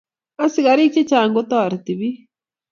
askarik chechang' ko toriti biik.